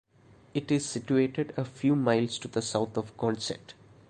It is situated a few miles to the south of Consett.